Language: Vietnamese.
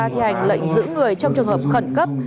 thi hành lệnh giữ người trong trường hợp khẩn cấp